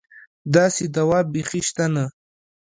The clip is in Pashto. داسې دوا بېخي شته نه.